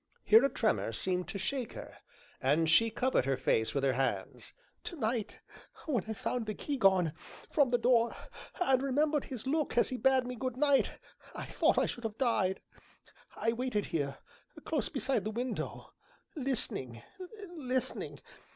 Here a tremor seemed to shake her, and she covered her face with her hands. "To night, when I found the key gone from the door, and remembered his look as he bade me 'Good night,' I thought I should have died. I waited here, close beside the window listening, listening.